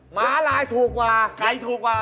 หมาลายถูกกว่า